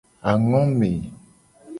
Angome.